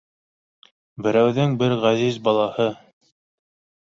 — Берәүҙең бер ғәзиз балаһы